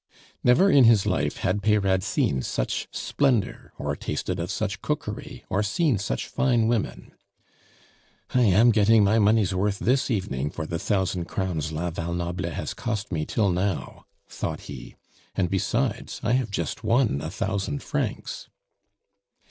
Never in his life had Peyrade seen such splendor, or tasted of such cookery, or seen such fine women. "I am getting my money's worth this evening for the thousand crowns la Val Noble has cost me till now," thought he; "and besides, I have just won a thousand francs."